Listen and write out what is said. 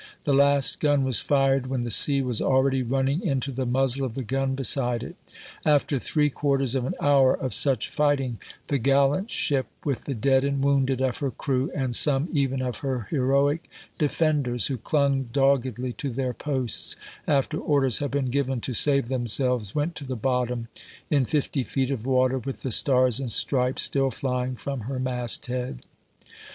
The last gun was fired when the sea was already running into the muzzle of the gun beside it. After three quarters of an hour of such fighting the gallant ship, with the dead and wounded of her crew, and some even of her heroic defenders who clung dog gedly to their posts after orders had been given to save themselves, went to the bottom in fifty feet of water with the stars and stripes still flying from her masthead.